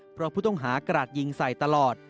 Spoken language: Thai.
เพราะผู้ตำรวจกระดยิงใส่ตลอด